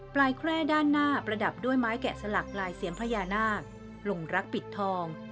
แคร่ด้านหน้าประดับด้วยไม้แกะสลักลายเสียงพญานาคลงรักปิดทอง